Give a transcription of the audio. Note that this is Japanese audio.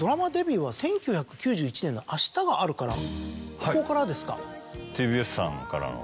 ここからですか。